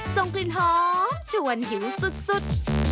ส่งกลิ่นหอมชวนหิวสุด